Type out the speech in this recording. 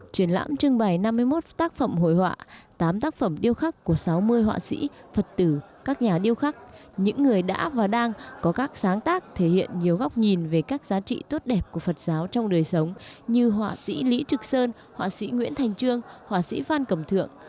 triển lãm trưng bày năm mươi một tác phẩm hội họa tám tác phẩm điêu khắc của sáu mươi họa sĩ phật tử các nhà điêu khắc những người đã và đang có các sáng tác thể hiện nhiều góc nhìn về các giá trị tốt đẹp của phật giáo trong đời sống như họa sĩ lý trực sơn họa sĩ nguyễn thành trương họa sĩ phan cẩm thượng